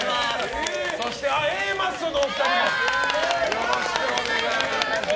よろしくお願いします。